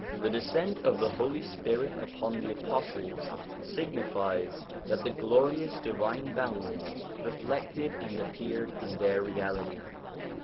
The descent of the Holy Spirit upon the apostles signifies that the glorious divine bounties reflected and appeared in their reality.